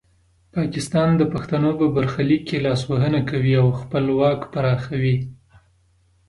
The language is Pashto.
پاکستان د پښتنو په برخلیک کې لاسوهنه کوي او خپل واک پراخوي.